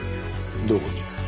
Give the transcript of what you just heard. どこに？